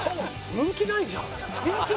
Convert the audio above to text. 人気ないはずじゃん。